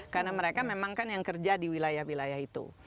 karena mereka memang kan yang kerja di wilayah wilayah itu